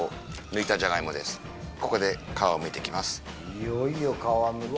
いよいよ皮むき。